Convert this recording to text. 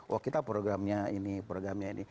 wah kita programnya ini programnya ini